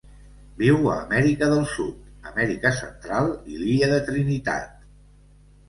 Viu a Amèrica del Sud, Amèrica Central i l'illa de Trinitat.